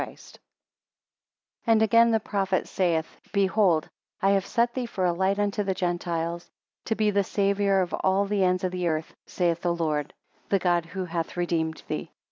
18 And again the prophet saith Behold, I have set thee for a light unto the Gentiles; to be the saviour of all the ends of the earth, saith the Lord; the God who hath redeemed thee.